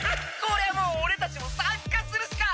「こりゃもう俺たちも参加するしか」